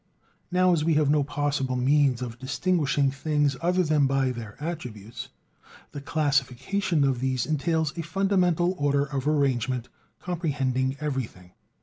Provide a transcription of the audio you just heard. Now as we have no possible means of distinguishing things other than by their attributes, the classification of these entails a fundamental order of arrangement comprehending everything.